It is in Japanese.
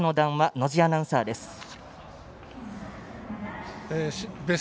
野地アナウンサーです。